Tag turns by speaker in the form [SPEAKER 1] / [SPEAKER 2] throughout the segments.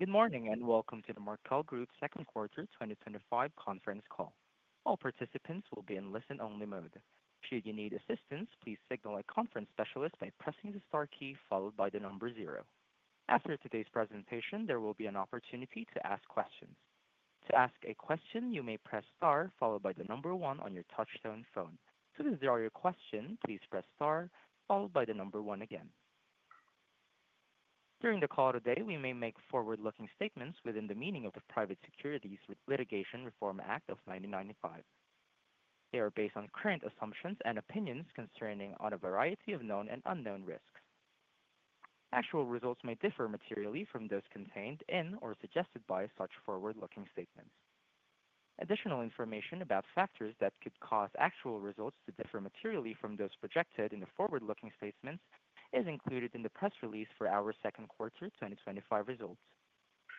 [SPEAKER 1] Good morning and welcome to the Markel Group Second Quarter 2025 Conference call. All participants will be in listen-only mode. Should you need assistance, please signal a conference specialist by pressing the star key followed by the number zero. After today's presentation, there will be an opportunity to ask questions. To ask a question, you may press star followed by the number one on your touch-tone phone. To withdraw your question, please press star followed by the number one again. During the call today, we may make forward-looking statements within the meaning of the Private Securities Litigation Reform Act of 1995. They are based on current assumptions and opinions concerning a variety of known and unknown risks. Actual results may differ materially from those contained in or suggested by such forward-looking statements. Additional information about factors that could cause actual results to differ materially from those projected in the forward-looking statements is included in the press release for our second quarter 2025 results,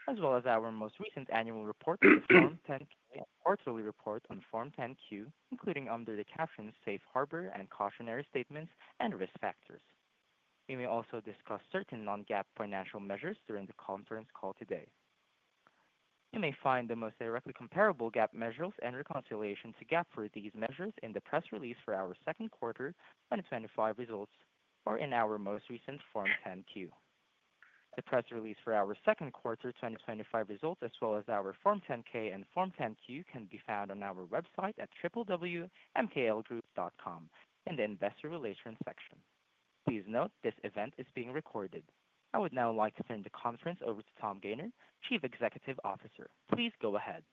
[SPEAKER 1] as well as our most recent annual report, the Form 10-Quarterly Report on Form 10-Q, including under the captions safe harbor and cautionary statements and risk factors. We may also discuss certain non-GAAP financial measures during the conference call today. You may find the most directly comparable GAAP measures and reconciliation to GAAP for these measures in the press release for our second quarter 2025 results or in our most recent Form 10-Q. The press release for our second quarter 2025 results, as well as our Form 10-K and Form 10-Q, can be found on our website at www.mklgroup.com in the investor relations section. Please note this event is being recorded. I would now like to turn the conference over to Tom Gayner, Chief Executive Officer. Please go ahead.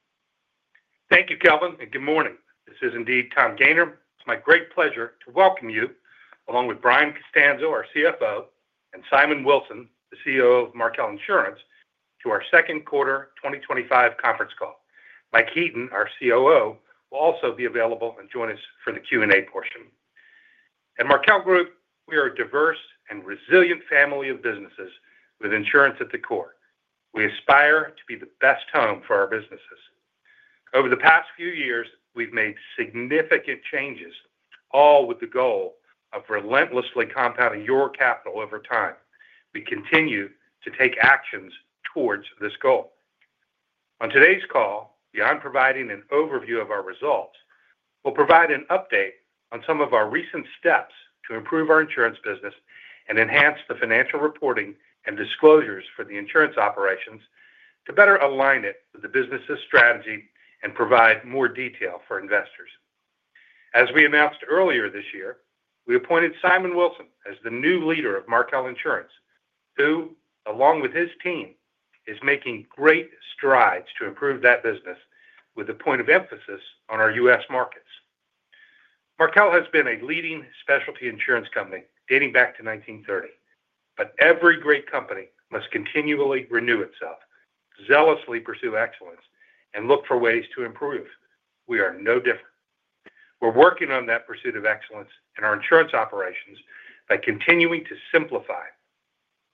[SPEAKER 2] Thank you, Kelvin, and good morning. This is indeed Tom Gayner. It's my great pleasure to welcome you, along with Brian Costanzo, our CFO, and Simon Wilson, the CEO of Markel Insurance, to our Second Quarter 2025 Conference Call. Mike Heaton, our COO, will also be available and join us for the Q&A portion. At Markel Group, we are a diverse and resilient family of businesses with insurance at the core. We aspire to be the best home for our businesses. Over the past few years, we've made significant changes, all with the goal of relentlessly compounding your capital over time. We continue to take actions towards this goal. On today's call, beyond providing an overview of our results, we'll provide an update on some of our recent steps to improve our insurance business and enhance the financial reporting and disclosures for the insurance operations to better align it with the business's strategy and provide more detail for investors. As we announced earlier this year, we appointed Simon Wilson as the new leader of Markel Insurance, who, along with his team, is making great strides to improve that business with a point of emphasis on our U.S. markets. Markel has been a leading specialty insurance company dating back to 1930, but every great company must continually renew itself, zealously pursue excellence, and look for ways to improve. We are no different. We're working on that pursuit of excellence in our insurance operations by continuing to simplify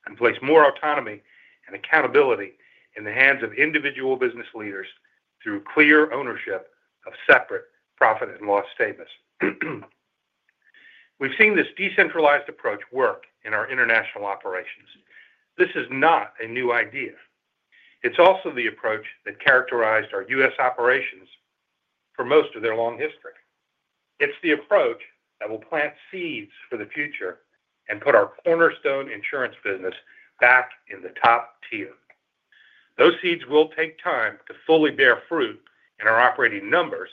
[SPEAKER 2] and place more autonomy and accountability in the hands of individual business leaders through clear ownership of separate profit and loss statements. We've seen this decentralized approach work in our international operations. This is not a new idea. It's also the approach that characterized our U.S. operations for most of their long history. It's the approach that will plant seeds for the future and put our cornerstone insurance business back in the top tier. Those seeds will take time to fully bear fruit in our operating numbers,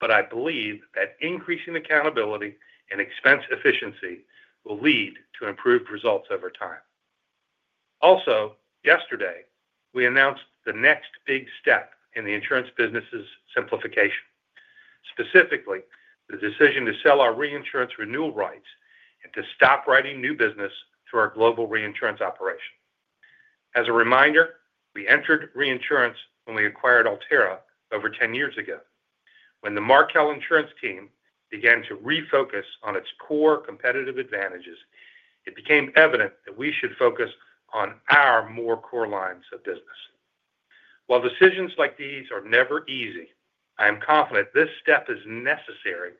[SPEAKER 2] but I believe that increasing accountability and expense efficiency will lead to improved results over time. Also, yesterday, we announced the next big step in the insurance business's simplification, specifically the decision to sell our reinsurance renewal rights and to stop writing new business through our global reinsurance operation. As a reminder, we entered reinsurance when we acquired Alterra over 10 years ago. When the Markel Insurance team began to refocus on its core competitive advantages, it became evident that we should focus on our more core lines of business. While decisions like these are never easy, I am confident this step is necessary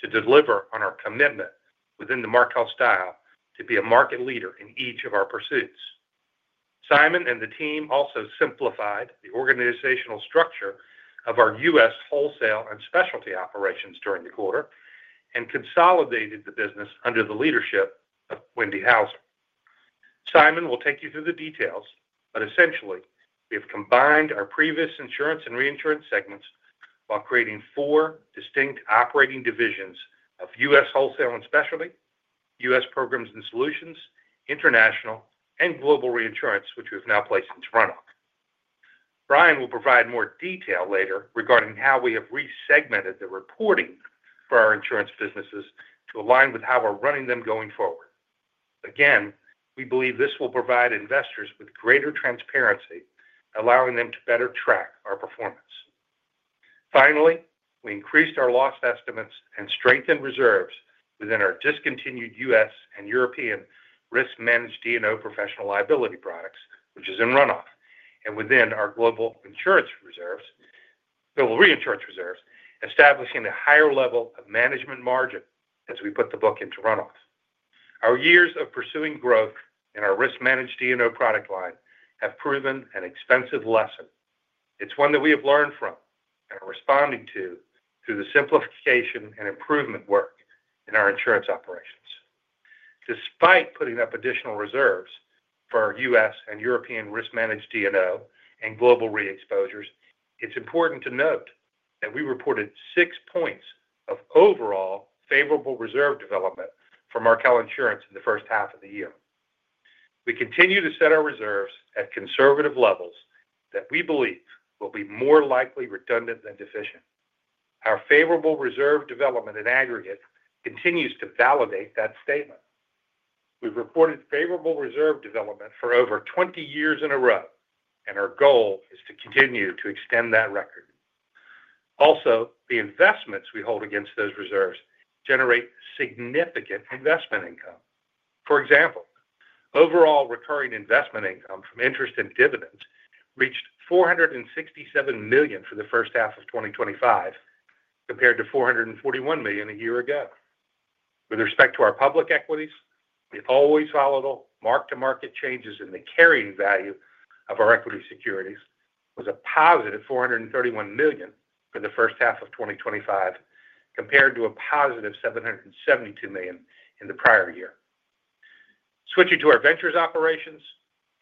[SPEAKER 2] to deliver on our commitment within the Markel style to be a market leader in each of our pursuits. Simon and the team also simplified the organizational structure of our U.S. Wholesale and Specialty operations during the quarter and consolidated the business under the leadership of Wendy Houser. Simon will take you through the details, but essentially, we have combined our previous insurance and reinsurance segments while creating four distinct operating divisions of U.S. Wholesale and Specialty, U.S. Programs and Solutions, International, and Global Reinsurance, which we have now placed into runoff. Brian will provide more detail later regarding how we have resegmented the reporting for our insurance businesses to align with how we're running them going forward. We believe this will provide investors with greater transparency, allowing them to better track our performance. Finally, we increased our loss estimates and strengthened reserves within our discontinued U.S. and European risk-managed D&O professional liability products, which is in runoff, and within our global insurance reserves, global reinsurance reserves, establishing a higher level of management margin as we put the book into runoff. Our years of pursuing growth in our risk-managed D&O product line have proven an expensive lesson. It's one that we have learned from and are responding to through the simplification and improvement work in our insurance operations. Despite putting up additional reserves for our U.S. and European risk-managed D&O and global re-exposures, it's important to note that we reported six points of overall favorable reserve development for Markel Insurance in the first half of the year. We continue to set our reserves at conservative levels that we believe will be more likely redundant than deficient. Our favorable reserve development in aggregate continues to validate that statement. We've reported favorable reserve development for over 20 years in a row, and our goal is to continue to extend that record. Also, the investments we hold against those reserves generate significant investment income. For example, overall recurring investment income from interest and dividends reached $467 million for the first half of 2025. Compared to $441 million a year ago. With respect to our public equities, the always volatile mark-to-market changes in the carrying value of our equity securities was a positive $431 million for the first half of 2025 compared to a positive $772 million in the prior year. Switching to our ventures operations,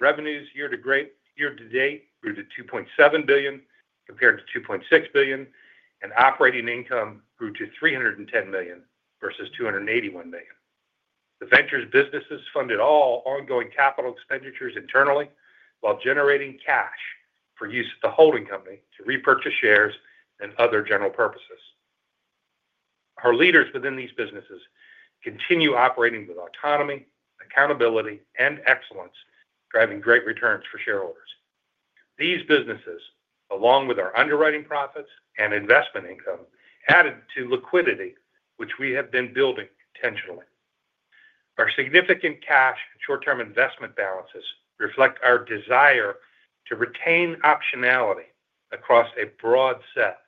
[SPEAKER 2] revenues year to date grew to $2.7 billion compared to $2.6 billion, and operating income grew to $310 million versus $281 million. The ventures businesses funded all ongoing capital expenditures internally while generating cash for use at the holding company to repurchase shares and other general purposes. Our leaders within these businesses continue operating with autonomy, accountability, and excellence, driving great returns for shareholders. These businesses, along with our underwriting profits and investment income, added to liquidity, which we have been building intentionally. Our significant cash and short-term investment balances reflect our desire to retain optionality across a broad set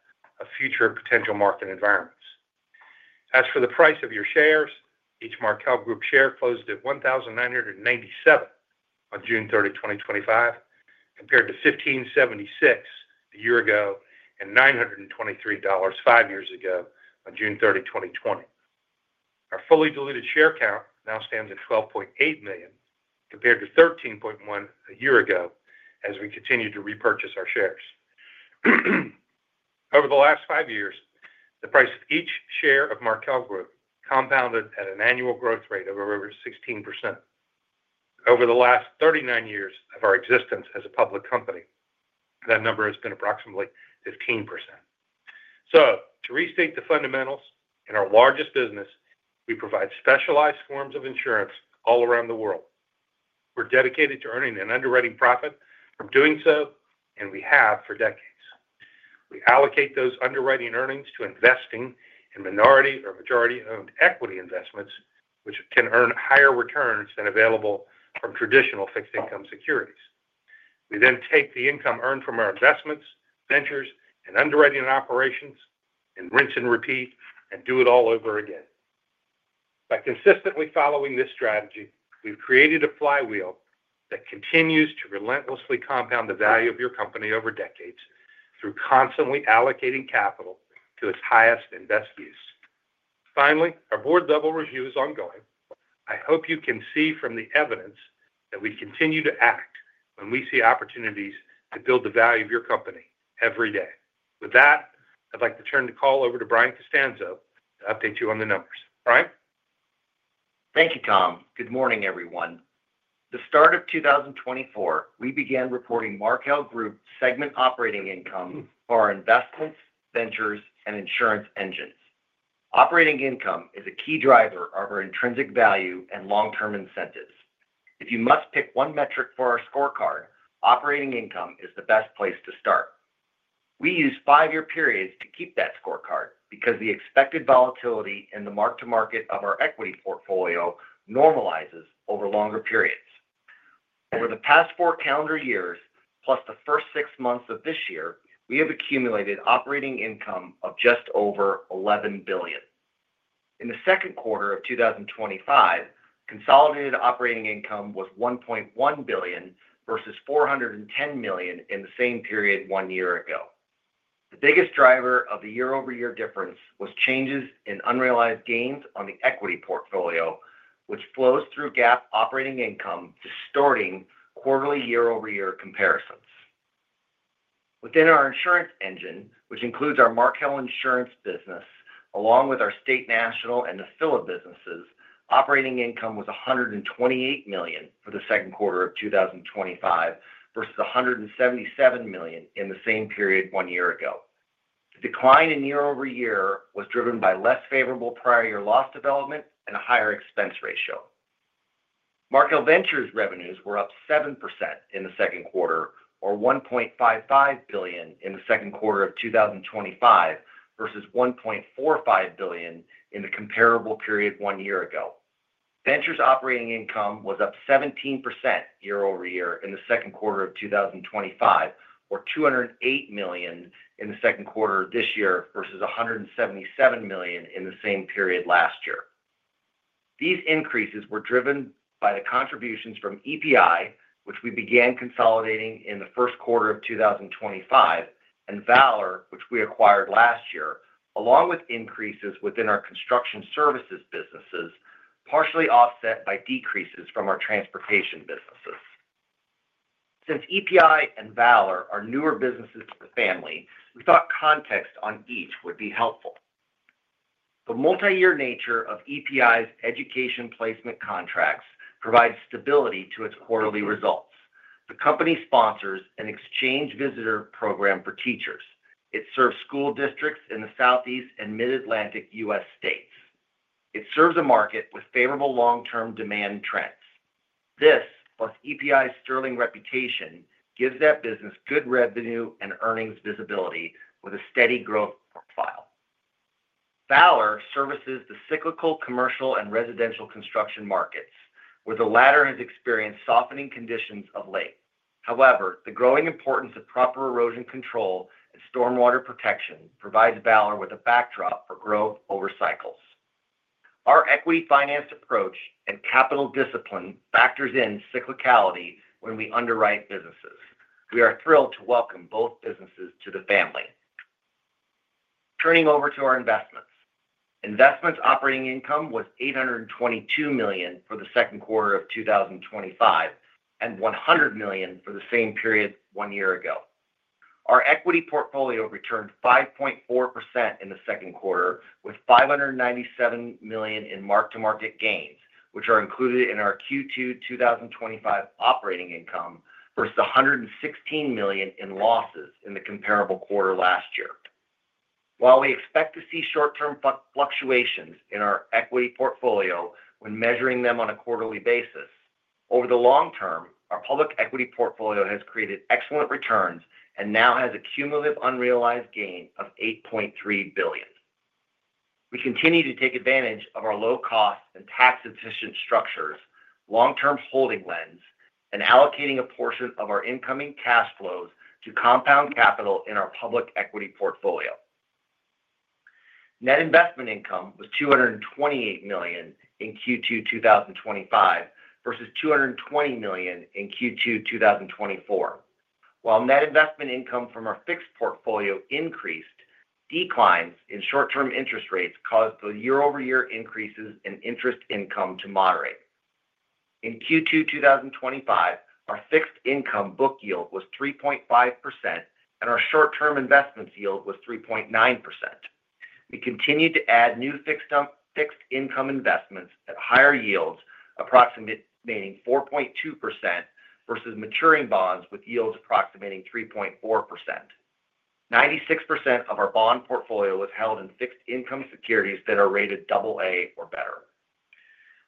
[SPEAKER 2] of future potential market environments. As for the price of your shares, each Markel Group share closed at $1,997 on June 30, 2025, compared to $1,576 a year ago and $923 five years ago on June 30, 2020. Our fully diluted share count now stands at 12.8 million compared to 13.1 million a year ago as we continue to repurchase our shares. Over the last five years, the price of each share of Markel Group compounded at an annual growth rate of over 16%. Over the last 39 years of our existence as a public company, that number has been approximately 15%. To restate the fundamentals, in our largest business, we provide specialized forms of insurance all around the world. We're dedicated to earning an underwriting profit from doing so, and we have for decades. We allocate those underwriting earnings to investing in minority or majority-owned equity investments, which can earn higher returns than available from traditional fixed-income securities. We then take the income earned from our investments, ventures, and underwriting operations and rinse and repeat and do it all over again. By consistently following this strategy, we've created a flywheel that continues to relentlessly compound the value of your company over decades through constantly allocating capital to its highest and best use. Finally, our board-level review is ongoing. I hope you can see from the evidence that we continue to act when we see opportunities to build the value of your company every day. With that, I'd like to turn the call over to Brian Costanzo to update you on the numbers. Brian.
[SPEAKER 3] Thank you, Tom. Good morning, everyone. The start of 2024, we began reporting Markel Group segment operating income for our investments, ventures, and insurance engines. Operating income is a key driver of our intrinsic value and long-term incentives. If you must pick one metric for our scorecard, operating income is the best place to start. We use five-year periods to keep that scorecard because the expected volatility in the mark-to-market of our equity portfolio normalizes over longer periods. Over the past four calendar years, plus the first six months of this year, we have accumulated operating income of just over $11 billion. In the second quarter of 2025, consolidated operating income was $1.1 billion versus $410 million in the same period one year ago. The biggest driver of the year-over-year difference was changes in unrealized gains on the equity portfolio, which flows through GAAP operating income, distorting quarterly year-over-year comparisons. Within our insurance engine, which includes our Markel Insurance business, along with our state, national, and the Philip businesses, operating income was $128 million for the second quarter of 2025 versus $177 million in the same period one year ago. The decline in year-over-year was driven by less favorable prior-year loss development and a higher expense ratio. Markel Ventures' revenues were up 7% in the second quarter, or $1.55 billion in the second quarter of 2025 versus $1.45 billion in the comparable period one year ago. Ventures' operating income was up 17% year-over-year in the second quarter of 2025, or $208 million in the second quarter of this year versus $177 million in the same period last year. These increases were driven by the contributions from EPI, which we began consolidating in the first quarter of 2025, and Valor, which we acquired last year, along with increases within our construction services businesses, partially offset by decreases from our transportation businesses. Since EPI and Valor are newer businesses to the family, we thought context on each would be helpful. The multi-year nature of EPI's education placement contracts provides stability to its quarterly results. The company sponsors an exchange visitor program for teachers. It serves school districts in the Southeast and Mid-Atlantic U.S. states. It serves a market with favorable long-term demand trends. This, plus EPI's sterling reputation, gives that business good revenue and earnings visibility with a steady growth profile. Valor services the cyclical commercial and residential construction markets, where the latter has experienced softening conditions of late. However, the growing importance of proper erosion control and stormwater protection provides Valor with a backdrop for growth over cycles. Our equity-financed approach and capital discipline factors in cyclicality when we underwrite businesses. We are thrilled to welcome both businesses to the family. Turning over to our investments. Investments' operating income was $822 million for the second quarter of 2025 and $100 million for the same period one year ago. Our equity portfolio returned 5.4% in the second quarter, with $597 million in mark-to-market gains, which are included in our Q2 2025 operating income versus $116 million in losses in the comparable quarter last year. While we expect to see short-term fluctuations in our equity portfolio when measuring them on a quarterly basis, over the long term, our public equity portfolio has created excellent returns and now has a cumulative unrealized gain of $8.3 billion. We continue to take advantage of our low-cost and tax-efficient structures, long-term holding lens, and allocating a portion of our incoming cash flows to compound capital in our public equity portfolio. Net investment income was $228 million in Q2 2025 versus $220 million in Q2 2024. While net investment income from our fixed portfolio increased, declines in short-term interest rates caused the year-over-year increases in interest income to moderate. In Q2 2025, our fixed income book yield was 3.5%, and our short-term investments yield was 3.9%. We continue to add new fixed income investments at higher yields, approximating 4.2% versus maturing bonds with yields approximating 3.4%. 96% of our bond portfolio is held in fixed income securities that are rated AA or better.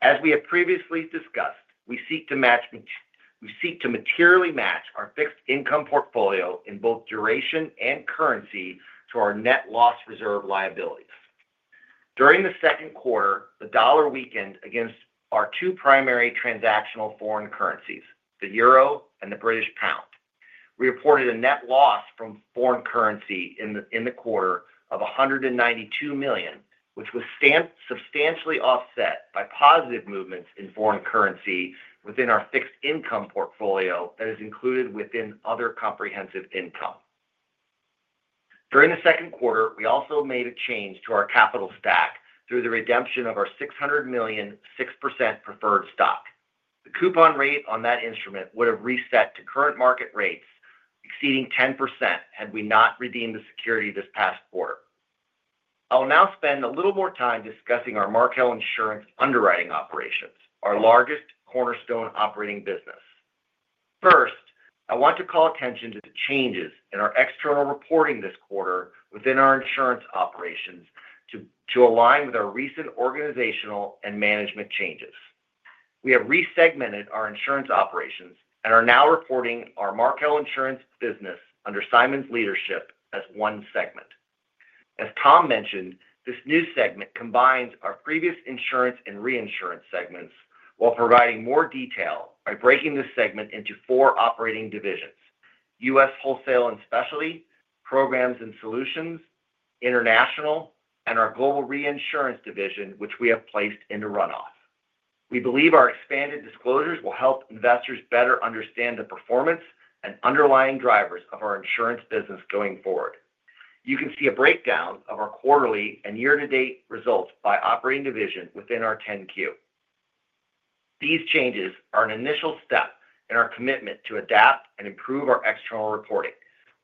[SPEAKER 3] As we have previously discussed, we seek to materially match our fixed income portfolio in both duration and currency to our net loss reserve liabilities. During the second quarter, the dollar weakened against our two primary transactional foreign currencies, the euro and the British pound. We reported a net loss from foreign currency in the quarter of $192 million, which was substantially offset by positive movements in foreign currency within our fixed income portfolio that is included within other comprehensive income. During the second quarter, we also made a change to our capital stack through the redemption of our $600 million, 6% preferred stock. The coupon rate on that instrument would have reset to current market rates exceeding 10% had we not redeemed the security this past quarter. I'll now spend a little more time discussing our Markel Insurance underwriting operations, our largest cornerstone operating business. First, I want to call attention to the changes in our external reporting this quarter within our insurance operations to align with our recent organizational and management changes. We have resegmented our insurance operations and are now reporting our Markel Insurance business under Simon's leadership as one segment. As Tom mentioned, this new segment combines our previous insurance and reinsurance segments while providing more detail by breaking this segment into four operating divisions: U.S. Wholesale and Specialty, Programs and Solutions, International, and our Global Reinsurance Division, which we have placed into runoff. We believe our expanded disclosures will help investors better understand the performance and underlying drivers of our insurance business going forward. You can see a breakdown of our quarterly and year-to-date results by operating division within our 10Q. These changes are an initial step in our commitment to adapt and improve our external reporting.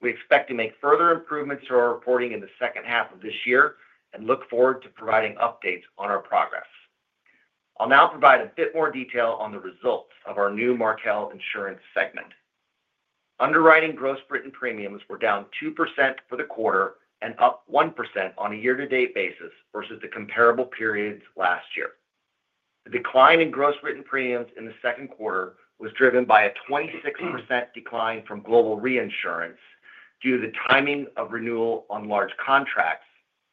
[SPEAKER 3] We expect to make further improvements to our reporting in the second half of this year and look forward to providing updates on our progress. I'll now provide a bit more detail on the results of our new Markel Insurance segment. Underwriting gross written premiums were down 2% for the quarter and up 1% on a year-to-date basis versus the comparable periods last year. The decline in gross written premiums in the second quarter was driven by a 26% decline from Global Reinsurance due to the timing of renewal on large contracts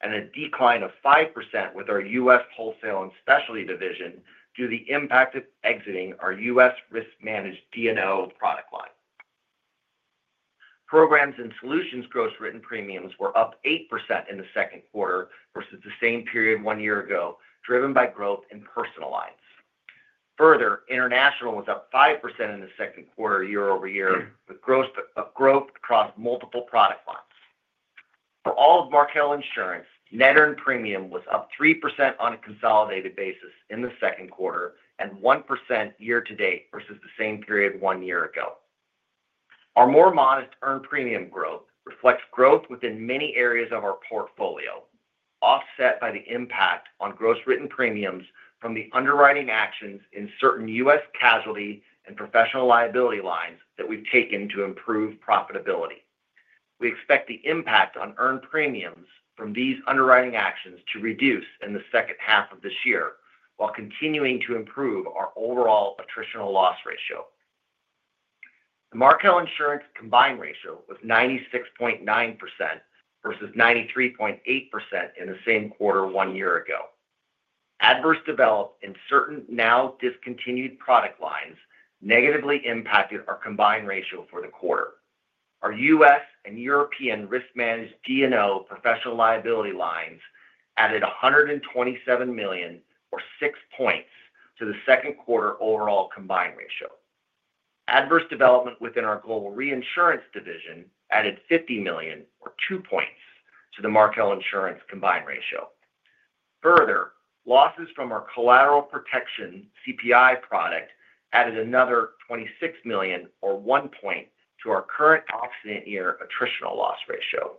[SPEAKER 3] and a decline of 5% with our U.S. Wholesale and Specialty Division due to the impact of exiting our U.S. risk-managed D&O product line. Programs and Solutions gross written premiums were up 8% in the second quarter versus the same period one year ago, driven by growth in personalized. Further, International was up 5% in the second quarter year-over-year with growth across multiple product lines. For all of Markel Insurance, net earned premium was up 3% on a consolidated basis in the second quarter and 1% year-to-date versus the same period one year ago. Our more modest earned premium growth reflects growth within many areas of our portfolio, offset by the impact on gross written premiums from the underwriting actions in certain U.S. casualty and professional liability lines that we've taken to improve profitability. We expect the impact on earned premiums from these underwriting actions to reduce in the second half of this year while continuing to improve our overall attritional loss ratio. The Markel Insurance combined ratio was 96.9% versus 93.8% in the same quarter one year ago. Adverse development in certain now discontinued product lines negatively impacted our combined ratio for the quarter. Our U.S. and European risk-managed D&O professional liability lines added $127 million, or six points, to the second quarter overall combined ratio. Adverse development within our Global Reinsurance division added $50 million, or two points, to the Markel Insurance combined ratio. Further, losses from our collateral protection CPI product added another $26 million, or one point, to our current accident year attritional loss ratio.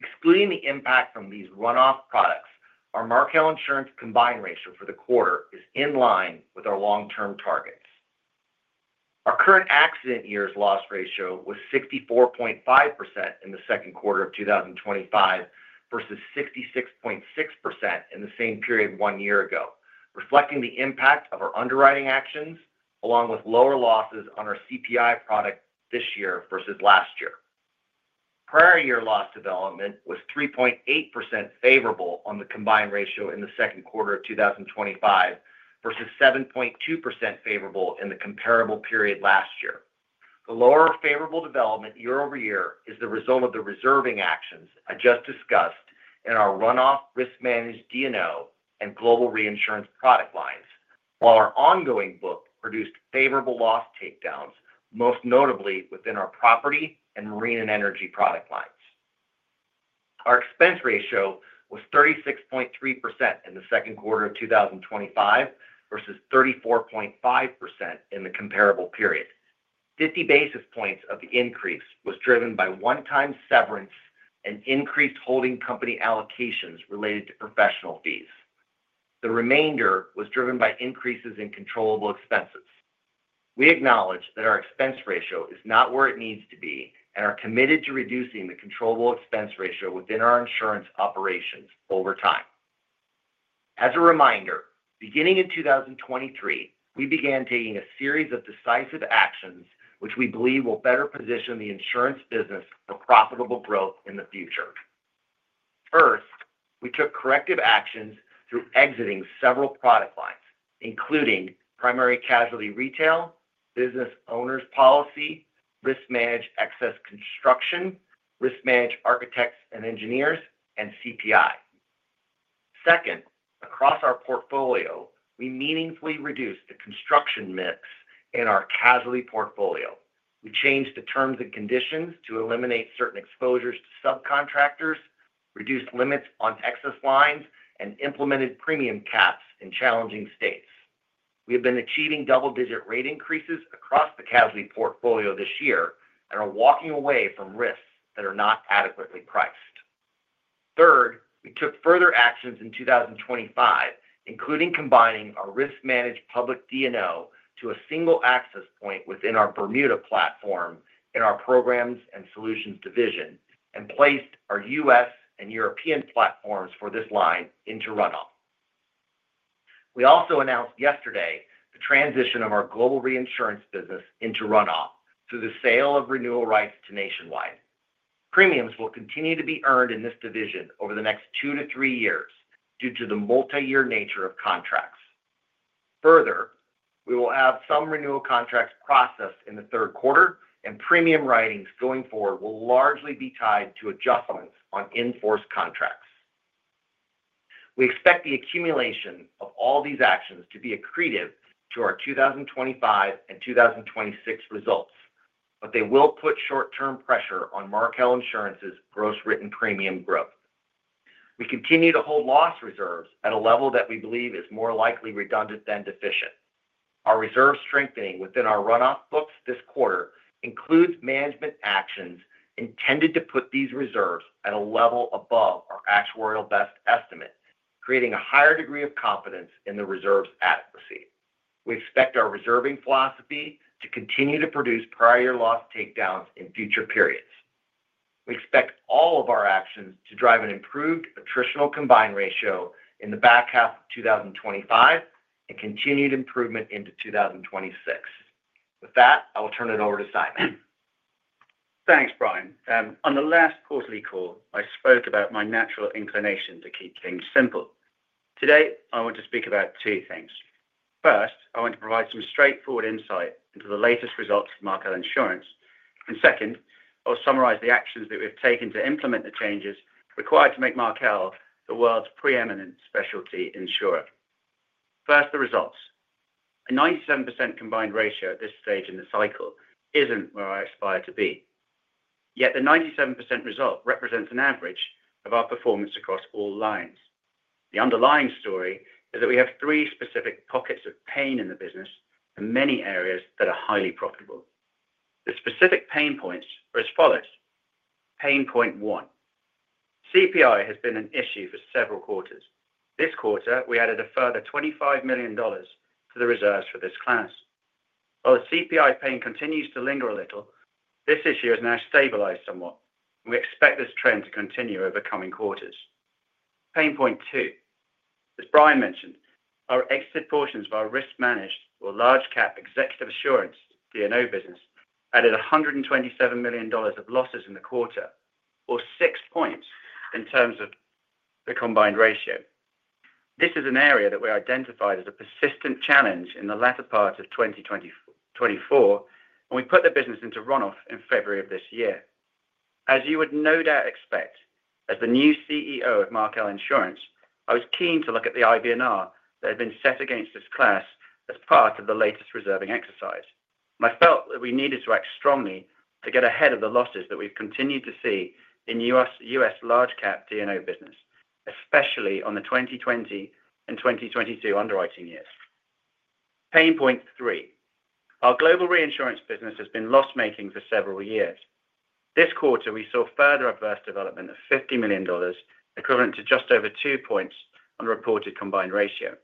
[SPEAKER 3] Excluding the impact from these runoff products, our Markel Insurance combined ratio for the quarter is in line with our long-term targets. Our current accident year's loss ratio was 64.5% in the second quarter of 2025 versus 66.6% in the same period one year ago, reflecting the impact of our underwriting actions along with lower losses on our CPI product this year versus last year. Prior-year loss development was 3.8% favorable on the combined ratio in the second quarter of 2025 versus 7.2% favorable in the comparable period last year. The lower favorable development year-over-year is the result of the reserving actions I just discussed in our runoff risk-managed D&O and global reinsurance product lines, while our ongoing book produced favorable loss takedowns, most notably within our property and marine and energy product lines. Our expense ratio was 36.3% in the second quarter of 2025 versus 34.5% in the comparable period. Fifty basis points of the increase was driven by one-time severance and increased holding company allocations related to professional fees. The remainder was driven by increases in controllable expenses. We acknowledge that our expense ratio is not where it needs to be and are committed to reducing the controllable expense ratio within our insurance operations over time. As a reminder, beginning in 2023, we began taking a series of decisive actions which we believe will better position the insurance business for profitable growth in the future. First, we took corrective actions through exiting several product lines, including primary casualty retail, business owners' policy, risk-managed excess construction, risk-managed architects and engineers, and CPI. Second, across our portfolio, we meaningfully reduced the construction mix in our casualty portfolio. We changed the terms and conditions to eliminate certain exposures to subcontractors, reduced limits on excess lines, and implemented premium caps in challenging states. We have been achieving double-digit rate increases across the casualty portfolio this year and are walking away from risks that are not adequately priced. Third, we took further actions in 2025, including combining our risk-managed public D&O to a single access point within our Bermuda platform in our Programs and Solutions Division and placed our U.S. and European platforms for this line into runoff. We also announced yesterday the transition of our Global Reinsurance business into runoff through the sale of renewal rights to Nationwide. Premiums will continue to be earned in this division over the next two to three years due to the multi-year nature of contracts. Further, we will have some renewal contracts processed in the third quarter, and premium writings going forward will largely be tied to adjustments on in-force contracts. We expect the accumulation of all these actions to be accretive to our 2025 and 2026 results, but they will put short-term pressure on Markel Insurance's gross written premium growth. We continue to hold loss reserves at a level that we believe is more likely redundant than deficient. Our reserve strengthening within our runoff books this quarter includes management actions intended to put these reserves at a level above our actuarial best estimate, creating a higher degree of confidence in the reserve's adequacy. We expect our reserving philosophy to continue to produce prior-year loss takedowns in future periods. We expect all of our actions to drive an improved attritional combined ratio in the back half of 2025 and continued improvement into 2026. With that, I will turn it over to Simon.
[SPEAKER 4] Thanks, Brian. On the last quarterly call, I spoke about my natural inclination to keep things simple. Today, I want to speak about two things. First, I want to provide some straightforward insight into the latest results of Markel Insurance. Second, I'll summarize the actions that we've taken to implement the changes required to make Markel the world's preeminent specialty insurer. First, the results. A 97% combined ratio at this stage in the cycle isn't where I aspire to be. Yet the 97% result represents an average of our performance across all lines. The underlying story is that we have three specific pockets of pain in the business and many areas that are highly profitable. The specific pain points are as follows. Pain point one. CPI has been an issue for several quarters. This quarter, we added a further $25 million to the reserves for this class. While the CPI pain continues to linger a little, this issue has now stabilized somewhat, and we expect this trend to continue over coming quarters. Pain point two. As Brian mentioned, our exited portions of our risk-managed or large-cap executive assurance D&O business added $127 million of losses in the quarter, or six points in terms of the combined ratio. This is an area that we identified as a persistent challenge in the latter part of 2024, and we put the business into runoff in February of this year. As you would no doubt expect, as the new CEO of Markel Insurance, I was keen to look at the IBNR that had been set against this class as part of the latest reserving exercise. I felt that we needed to act strongly to get ahead of the losses that we've continued to see in U.S. large-cap D&O business, especially on the 2020 and 2022 underwriting years. Pain point three. Our global reinsurance business has been loss-making for several years. This quarter, we saw further adverse development of $50 million, equivalent to just over two points on the reported combined ratio.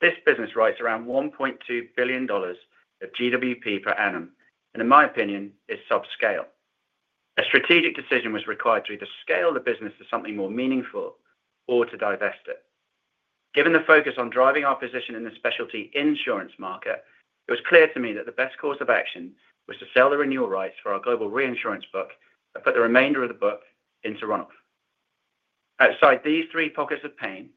[SPEAKER 4] This business writes around $1.2 billion of GWP per annum and, in my opinion, is subscale. A strategic decision was required to either scale the business to something more meaningful or to divest it. Given the focus on driving our position in the specialty insurance market, it was clear to me that the best course of action was to sell the renewal rights for our Global Reinsurance book and put the remainder of the book into runoff. Outside these three pockets of pain,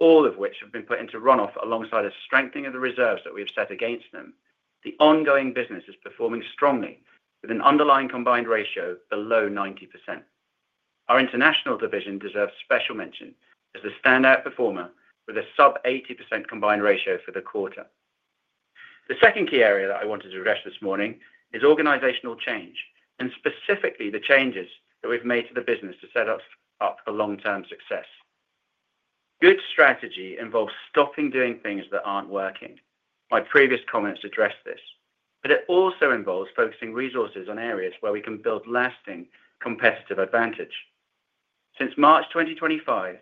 [SPEAKER 4] all of which have been put into runoff alongside a strengthening of the reserves that we have set against them, the ongoing business is performing strongly with an underlying combined ratio below 90%. Our International division deserves special mention as the standout performer with a sub-80% combined ratio for the quarter. The second key area that I wanted to address this morning is organizational change and specifically the changes that we've made to the business to set us up for long-term success. Good strategy involves stopping doing things that aren't working. My previous comments address this, but it also involves focusing resources on areas where we can build lasting competitive advantage. Since March 2025,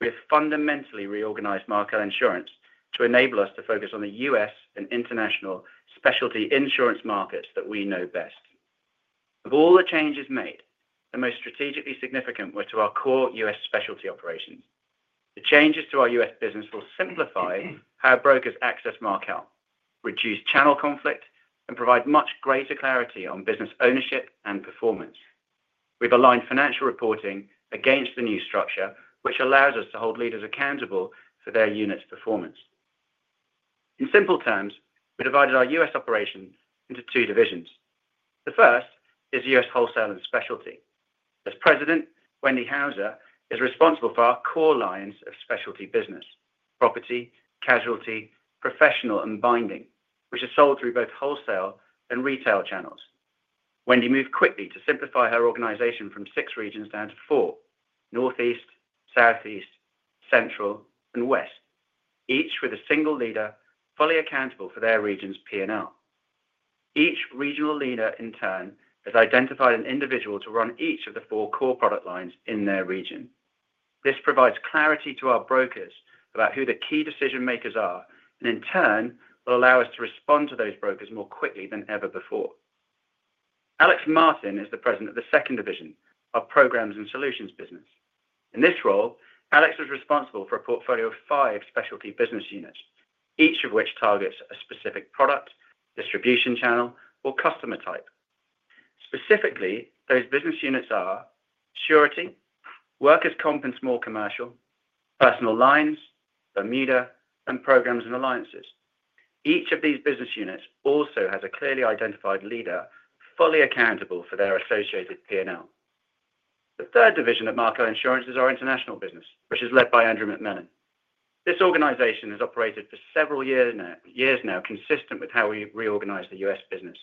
[SPEAKER 4] we have fundamentally reorganized Markel Insurance to enable us to focus on the U.S. and international specialty insurance markets that we know best. Of all the changes made, the most strategically significant were to our core U.S. specialty operations. The changes to our U.S. business will simplify how brokers access Markel, reduce channel conflict, and provide much greater clarity on business ownership and performance. We've aligned financial reporting against the new structure, which allows us to hold leaders accountable for their unit's performance. In simple terms, we divided our U.S. operation into two divisions. The first is U.S. Wholesale and Specialty. As President, Wendy Houser is responsible for our core lines of specialty business: property, casualty, professional, and binding, which are sold through both wholesale and retail channels. Wendy moved quickly to simplify her organization from six regions down to four: Northeast, Southeast, Central, and West, each with a single leader fully accountable for their region's P&L. Each regional leader, in turn, has identified an individual to run each of the four core product lines in their region. This provides clarity to our brokers about who the key decision-makers are and, in turn, will allow us to respond to those brokers more quickly than ever before. Alex Martin is the President of the second division, our Programs and Solutions business. In this role, Alex was responsible for a portfolio of five specialty business units, each of which targets a specific product, distribution channel, or customer type. Specifically, those business units are: surety, workers' comp and small commercial, personal lines, Bermuda, and programs and alliances. Each of these business units also has a clearly identified leader fully accountable for their associated P&L. The third division of Markel Insurance is our international business, which is led by Andrew McMellin. This organization has operated for several years now, consistent with how we reorganized the U.S. business,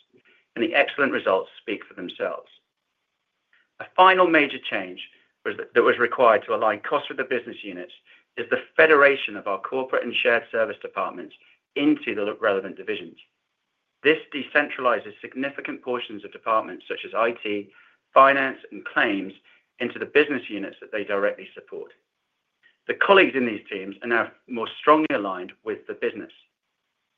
[SPEAKER 4] and the excellent results speak for themselves. A final major change that was required to align costs with the business units is the federation of our corporate and shared service departments into the relevant divisions. This decentralizes significant portions of departments such as IT, finance, and claims into the business units that they directly support. The colleagues in these teams are now more strongly aligned with the business.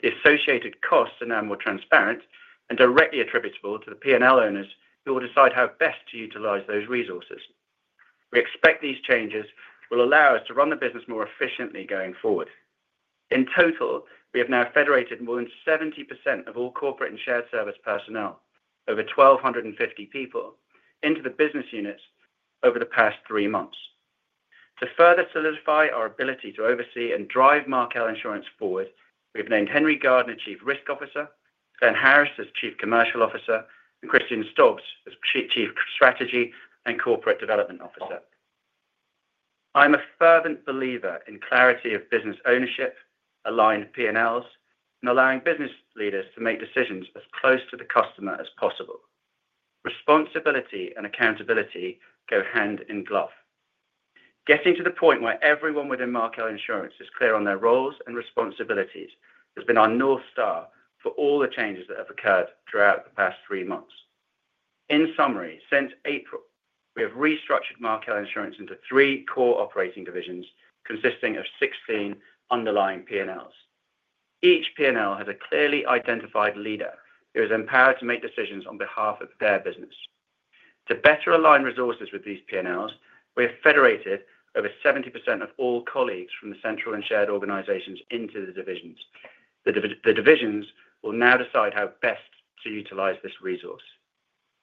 [SPEAKER 4] The associated costs are now more transparent and directly attributable to the P&L owners who will decide how best to utilize those resources. We expect these changes will allow us to run the business more efficiently going forward. In total, we have now federated more than 70% of all corporate and shared service personnel, over 1,250 people, into the business units over the past three months. To further solidify our ability to oversee and drive Markel Insurance forward, we've named Henry Gardener as Chief Risk Officer, Glenn Harris as Chief Commercial Officer, and Christian Stobbs as Chief Strategy and Corporate Development Officer. I'm a fervent believer in clarity of business ownership, aligned P&Ls, and allowing business leaders to make decisions as close to the customer as possible. Responsibility and accountability go hand in glove. Getting to the point where everyone within Markel Insurance is clear on their roles and responsibilities has been our North Star for all the changes that have occurred throughout the past three months. In summary, since April, we have restructured Markel Insurance into three core operating divisions consisting of 16 underlying P&Ls. Each P&L has a clearly identified leader who is empowered to make decisions on behalf of their business. To better align resources with these P&Ls, we have federated over 70% of all colleagues from the central and shared organizations into the divisions. The divisions will now decide how best to utilize this resource.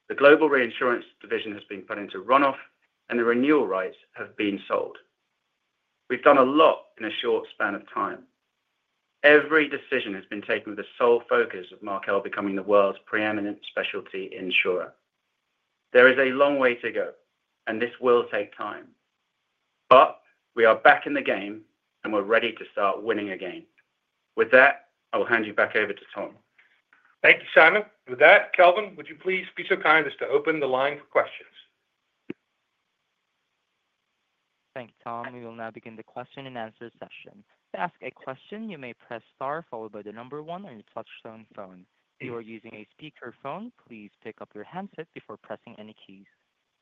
[SPEAKER 4] The global reinsurance division has been put into runoff, and the renewal rights have been sold. We've done a lot in a short span of time. Every decision has been taken with the sole focus of Markel Group becoming the world's preeminent specialty insurer. There is a long way to go, and this will take time. We are back in the game, and we're ready to start winning again. With that, I will hand you back over to Tom.
[SPEAKER 2] Thank you, Simon. With that, Kelvin, would you please be so kind as to open the line for questions?
[SPEAKER 1] Thank you, Tom. We will now begin the question-and answer session. To ask a question, you may press Star followed by the number one on your touchscreen phone. If you are using a speakerphone, please pick up your handset before pressing any keys.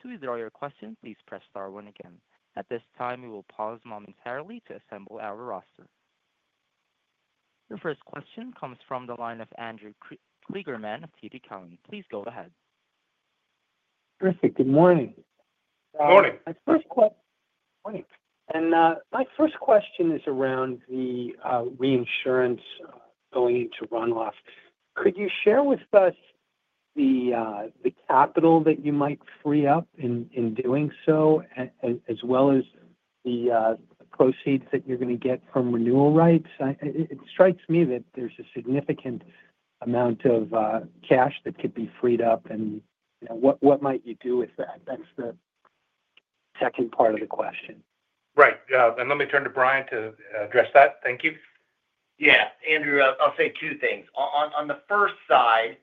[SPEAKER 1] To withdraw your question, please press star one again. At this time, we will pause momentarily to assemble our roster. Your first question comes from the line of Andrew Kligerman of TD Cowen. Please go ahead.
[SPEAKER 5] Perfect. Good morning. Good morning. My first question is around the reinsurance going into runoff. Could you share with us the capital that you might free up in doing so, as well as the proceeds that you're going to get from renewal rights? It strikes me that there's a significant amount of cash that could be freed up, and what might you do with that? That's the second part of the question.
[SPEAKER 2] Right. Let me turn to Brian to address that. Thank you.
[SPEAKER 3] Yeah. Andrew, I'll say two things. On the first side,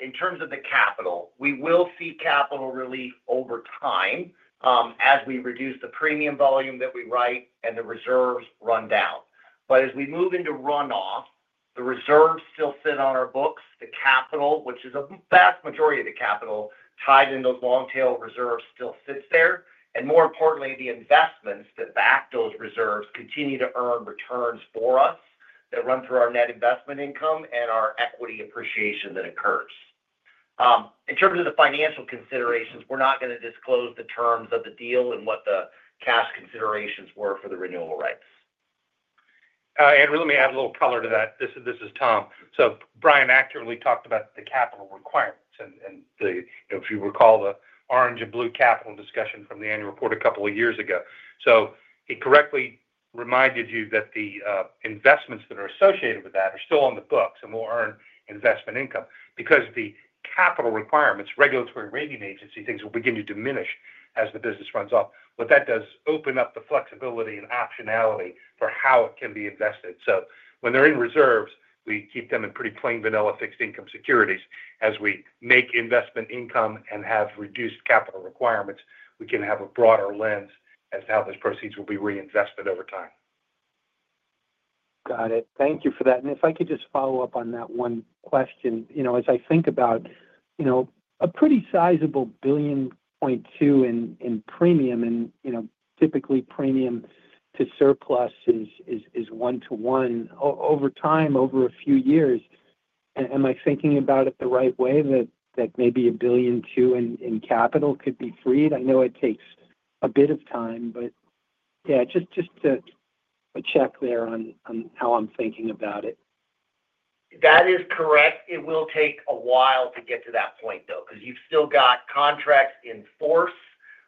[SPEAKER 3] in terms of the capital, we will see capital relief over time as we reduce the premium volume that we write and the reserves run down. As we move into runoff, the reserves still sit on our books. The capital, which is a vast majority of the capital, tied in those long-tail reserves still sits there. More importantly, the investments that back those reserves continue to earn returns for us that run through our net investment income and our equity appreciation that occurs. In terms of the financial considerations, we're not going to disclose the terms of the deal and what the cash considerations were for the renewal rights.
[SPEAKER 2] Andrew, let me add a little color to that. This is Tom. Brian accurately talked about the capital requirements. If you recall the orange and blue capital discussion from the annual report a couple of years ago, he correctly reminded you that the investments that are associated with that are still on the books and will earn investment income because the capital requirements, regulatory rating agency things will begin to diminish as the business runs off. What that does is open up the flexibility and optionality for how it can be invested. When they're in reserves, we keep them in pretty plain vanilla fixed income securities. As we make investment income and have reduced capital requirements, we can have a broader lens as to how those proceeds will be reinvested over time.
[SPEAKER 5] Got it. Thank you for that. If I could just follow up on that one question. As I think about a pretty sizable $1.2 billion in premium, and typically premium to surplus is one to one over time, over a few years, am I thinking about it the right way that maybe $1.2 billion in capital could be freed? I know it takes a bit of time, but yeah, just a check there on how I'm thinking about it.
[SPEAKER 3] That is correct. It will take a while to get to that point, though, because you've still got contracts in force.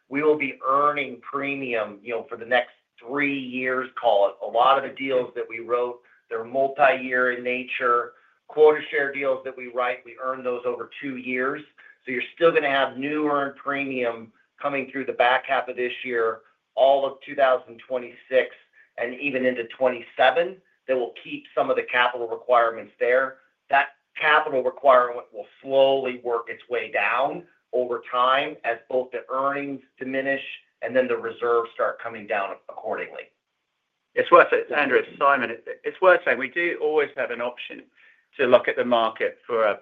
[SPEAKER 3] We will be earning premium for the next three years. Call it a lot of the deals that we wrote, they're multi-year in nature. Quota share deals that we write, we earn those over two years. You're still going to have new earned premium coming through the back half of this year, all of 2026, and even into 2027 that will keep some of the capital requirements there. That capital requirement will slowly work its way down over time as both the earnings diminish and then the reserves start coming down accordingly.
[SPEAKER 4] Andrew. Simon, it's worth saying we do always have an option to look at the market for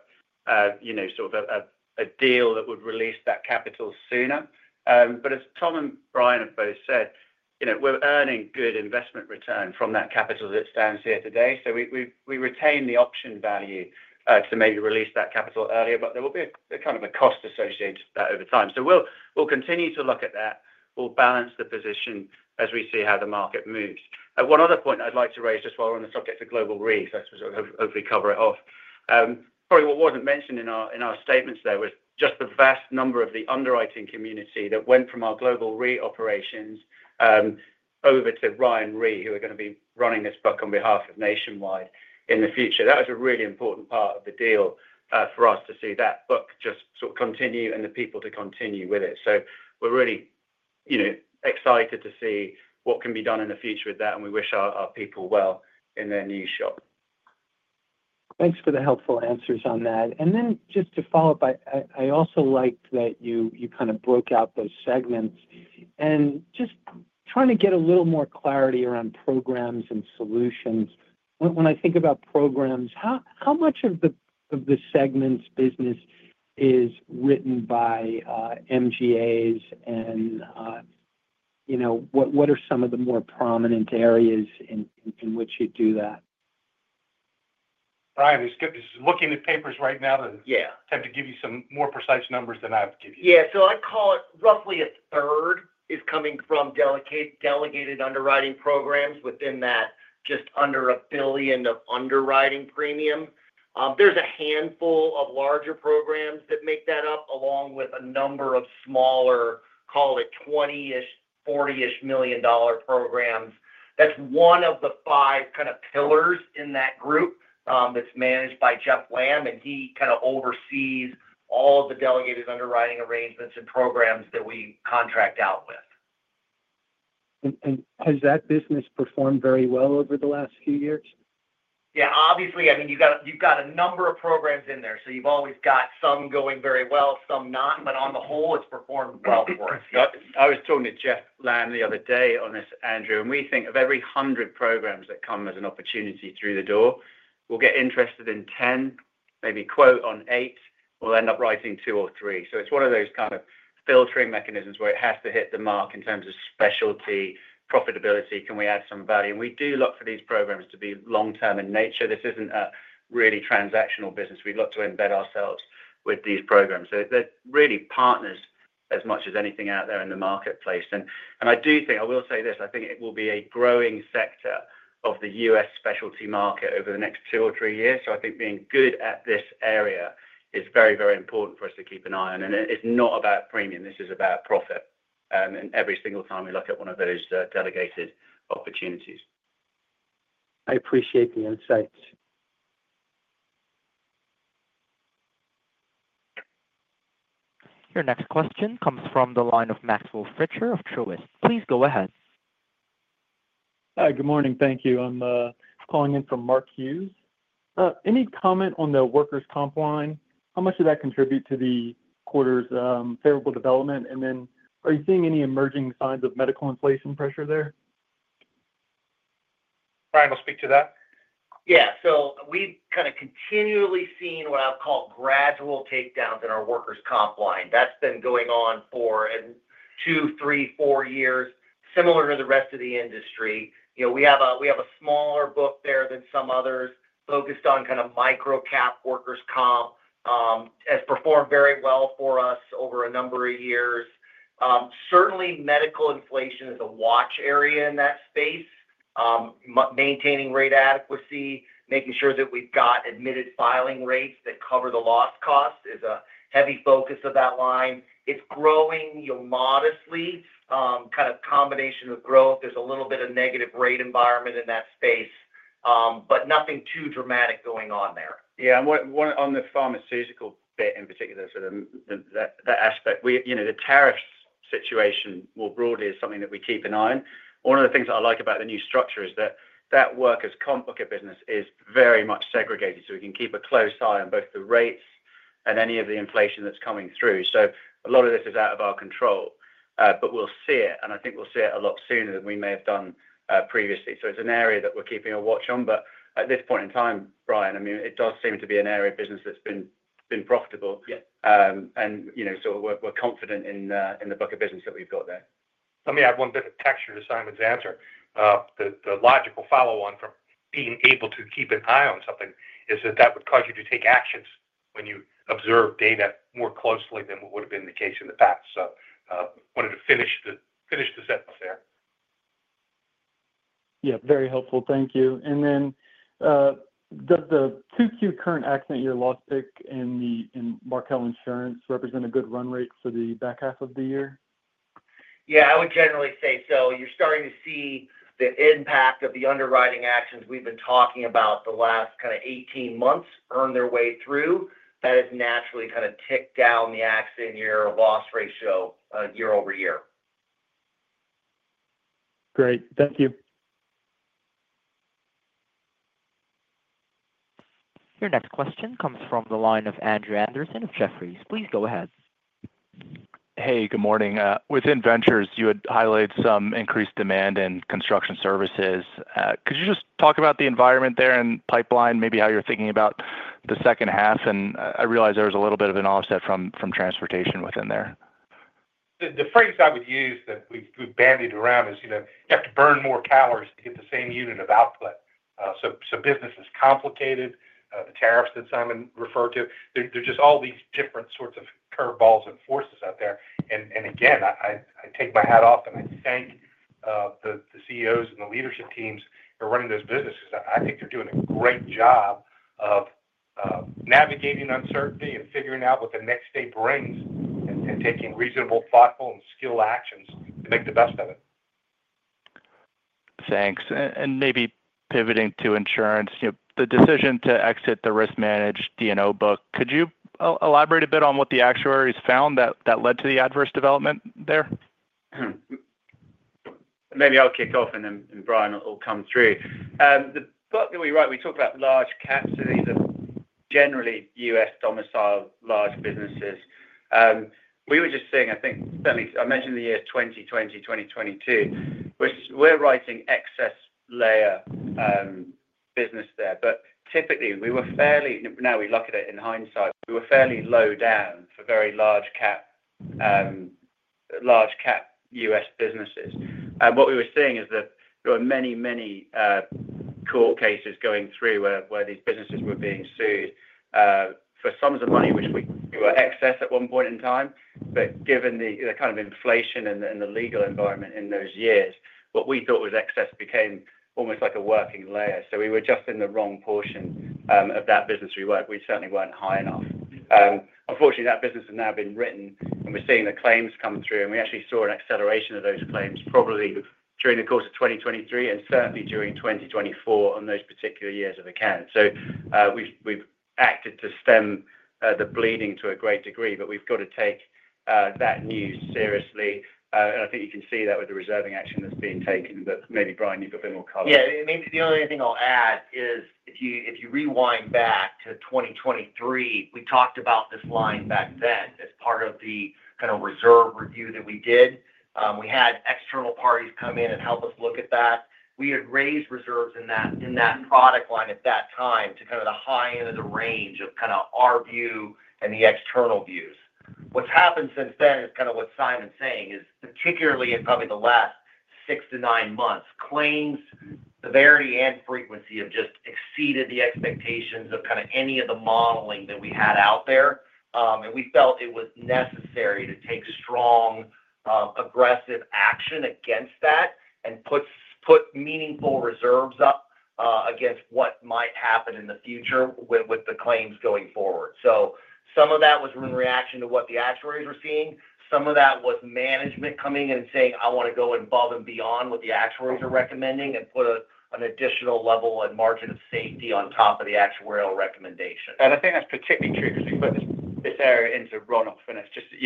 [SPEAKER 4] sort of a deal that would release that capital sooner. As Tom and Brian have both said, we're earning good investment return from that capital that stands here today. We retain the option value to maybe release that capital earlier, but there will be kind of a cost associated with that over time. We'll continue to look at that. We'll balance the position as we see how the market moves. One other point I'd like to raise just while we're on the subject of global re, I suppose we'll hopefully cover it off. Probably what wasn't mentioned in our statements there was just the vast number of the underwriting community that went from our global re operations over to Ryan Re, who are going to be running this book on behalf of Nationwide in the future. That was a really important part of the deal for us to see that book just sort of continue and the people to continue with it. We are really excited to see what can be done in the future with that, and we wish our people well in their new shop.
[SPEAKER 5] Thanks for the helpful answers on that. Just to follow up, I also liked that you kind of broke out those segments. Just trying to get a little more clarity around Programs and Solutions. When I think about programs, how much of the segment's business is written by MGAs and what are some of the more prominent areas in which you do that?
[SPEAKER 2] Brian is looking at papers right now to attempt to give you some more precise numbers than I've given you.
[SPEAKER 3] I'd call it roughly a third is coming from delegated underwriting programs. Within that, just under $1 billion of underwriting premium. There's a handful of larger programs that make that up, along with a number of smaller, call it $20-ish million, $40-ish million programs. That's one of the five pillars in that group that's managed by Jeff Lam, and he oversees all of the delegated underwriting arrangements and programs that we contract out with.
[SPEAKER 5] Has that business performed very well over the last few years?
[SPEAKER 3] Yeah. Obviously, you've got a number of programs in there, so you've always got some going very well, some not, but on the whole, it's performed well for us.
[SPEAKER 4] I was talking to Jeff Lamb the other day on this, Andrew, and we think of every 100 programs that come as an opportunity through the door, we'll get interested in 10, maybe quote on eight, we'll end up writing two or three. It is one of those filtering mechanisms where it has to hit the mark in terms of specialty, profitability, can we add some value. We do look for these programs to be long-term in nature. This isn't a really transactional business. We'd love to embed ourselves with these programs, so they're really partners as much as anything out there in the marketplace. I do think, I will say this, I think it will be a growing sector of the U.S. specialty market over the next two or three years. I think being good at this area is very, very important for us to keep an eye on. It's not about premium. This is about profit. Every single time we look at one of those delegated opportunities.
[SPEAKER 5] I appreciate the insights.
[SPEAKER 1] Your next question comes from the line of Maxwell Fritscher of Truist. Please go ahead. Hi. Good morning. Thank you. I'm calling in for Mark Hughes. Any comment on the workers' comp line? How much does that contribute to the quarter's favorable development? Are you seeing any emerging signs of medical inflation pressure there?
[SPEAKER 2] Brian will speak to that.
[SPEAKER 3] Yeah. We've kind of continually seen what I'll call gradual takedowns in our workers' comp line. That's been going on for two, three, four years, similar to the rest of the industry. We have a smaller book there than some others focused on kind of microcap workers' comp. Has performed very well for us over a number of years. Certainly, medical inflation is a watch area in that space. Maintaining rate adequacy, making sure that we've got admitted filing rates that cover the loss cost is a heavy focus of that line. It's growing modestly, kind of a combination of growth. There's a little bit of negative rate environment in that space. Nothing too dramatic going on there.
[SPEAKER 4] Yeah. On the pharmaceutical bit in particular, sort of that aspect, the tariffs situation more broadly is something that we keep an eye on. One of the things that I like about the new structure is that that workers' comp book of business is very much segregated so we can keep a close eye on both the rates and any of the inflation that's coming through. A lot of this is out of our control, but we'll see it. I think we'll see it a lot sooner than we may have done previously. It's an area that we're keeping a watch on. At this point in time, Brian, it does seem to be an area of business that's been profitable. We're confident in the book of business that we've got there.
[SPEAKER 2] Let me add one bit of texture to Simon's answer. The logical follow-on from being able to keep an eye on something is that that would cause you to take actions when you observe data more closely than what would have been the case in the past. I wanted to finish the sentence there. Yeah. Very helpful. Thank you. Does the 2Q current accident year loss in the Markel Insurance represent a good run rate for the back half of the year?
[SPEAKER 3] Yeah. I would generally say so. You're starting to see the impact of the underwriting actions we've been talking about the last kind of 18 months earn their way through. That has naturally kind of ticked down the accident year loss ratio year over year. Great. Thank you.
[SPEAKER 1] Your next question comes from the line of Andrew Andersen of Jefferies. Please go ahead.
[SPEAKER 6] Hey. Good morning. Within Ventures, you had highlighted some increased demand in construction services. Could you just talk about the environment there and pipeline, maybe how you're thinking about the second half? I realize there was a little bit of an offset from transportation within there.
[SPEAKER 2] The phrase I would use that we've bandied around is you have to burn more calories to get the same unit of output. Business is complicated. The tariffs that Simon referred to, there are just all these different sorts of curveballs and forces out there. I take my hat off and I thank the CEOs and the leadership teams who are running those businesses. I think they're doing a great job of navigating uncertainty and figuring out what the next day brings and taking reasonable, thoughtful, and skilled actions to make the best of it. Thanks.
[SPEAKER 6] Maybe pivoting to insurance, the decision to exit the risk-managed D&O book, could you elaborate a bit on what the actuaries found that led to the adverse development there?
[SPEAKER 4] Maybe I'll kick off, and then Brian will come through. The book that we write, we talk about large cap cities, generally U.S. domiciled large businesses. We were just seeing, I think, certainly I mentioned the year 2020, 2022. We're writing excess layer business there. Typically, we were fairly—now we look at it in hindsight—we were fairly low down for very large cap U.S. businesses. What we were seeing is that there were many, many court cases going through where these businesses were being sued for sums of money, which we were excess at one point in time, but given the kind of inflation and the legal environment in those years, what we thought was excess became almost like a working layer. We were just in the wrong portion of that business we worked. We certainly weren't high enough. Unfortunately, that business has now been written, and we're seeing the claims come through. We actually saw an acceleration of those claims probably during the course of 2023 and certainly during 2024 on those particular years of accounts. We've acted to stem the bleeding to a great degree, but we've got to take that news seriously. I think you can see that with the reserving action that's being taken. Maybe, Brian, you've got a bit more color.
[SPEAKER 3] Yeah. Maybe the only thing I'll add is if you rewind back to 2023, we talked about this line back then as part of the kind of reserve review that we did. We had external parties come in and help us look at that. We had raised reserves in that product line at that time to kind of the high end of the range of kind of our view and the external views. What's happened since then is kind of what Simon's saying is, particularly in probably the last six to nine months, claims, severity, and frequency have just exceeded the expectations of kind of any of the modeling that we had out there. We felt it was necessary to take strong, aggressive action against that and put meaningful reserves up against what might happen in the future with the claims going forward. Some of that was in reaction to what the actuaries were seeing. Some of that was management coming in and saying, "I want to go above and beyond what the actuaries are recommending and put an additional level and margin of safety on top of the actuarial recommendation."
[SPEAKER 4] I think that's particularly true because we put this area into runoff.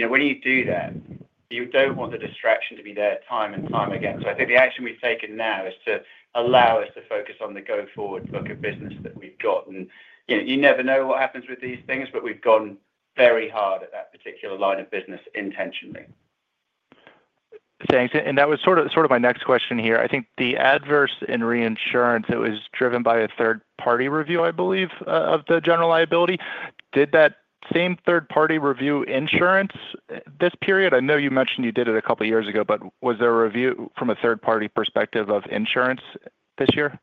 [SPEAKER 4] When you do that, you don't want the distraction to be there time and time again. I think the action we've taken now is to allow us to focus on the go-forward book of business that we've gotten. You never know what happens with these things, but we've gone very hard at that particular line of business intentionally. Thanks.
[SPEAKER 6] That was sort of my next question here. I think the adverse in reinsurance, it was driven by a third-party review, I believe, of the general liability. Did that same third-party review insurance this period? I know you mentioned you did it a couple of years ago, but was there a review from a third-party perspective of insurance this year?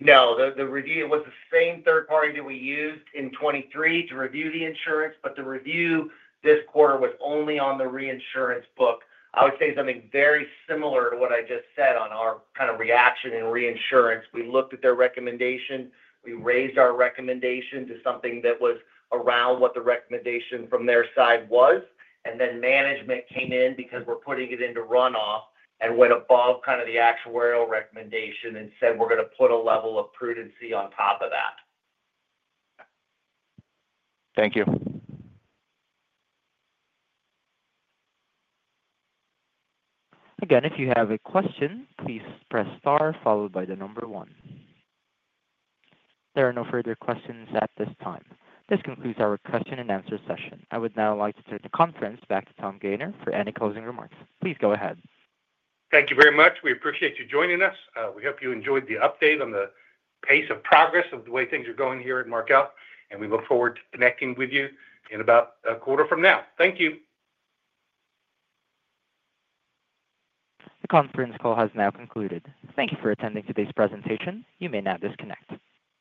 [SPEAKER 3] No. The review was the same third party that we used in 2023 to review the insurance, but the review this quarter was only on the reinsurance book. I would say something very similar to what I just said on our kind of reaction in reinsurance. We looked at their recommendation. We raised our recommendation to something that was around what the recommendation from their side was. Then management came in because we're putting it into runoff and went above kind of the actuarial recommendation and said, "We're going to put a level of prudency on top of that."
[SPEAKER 6] Thank you.
[SPEAKER 1] Again, if you have a question, please press star followed by the number one. There are no further questions at this time. This concludes our question-and- answer session. I would now like to turn the conference back to Tom Gayner for any closing remarks. Please go ahead.
[SPEAKER 2] Thank you very much. We appreciate you joining us. We hope you enjoyed the update on the pace of progress of the way things are going here at Markel Group, and we look forward to connecting with you in about a quarter from now. Thank you.
[SPEAKER 1] The conference call has now concluded. Thank you for attending today's presentation. You may now disconnect.